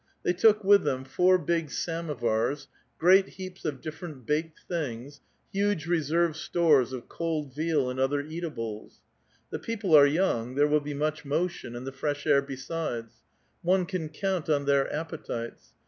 They •J^'^k with them four big samovars^ great Iieaps of different "^Iced things, huge reserve stores of cold veal and other ®*t;5ibles. The people are young, there will be much motion, JJ^cl the fresh air besides ; one can count on their appotites.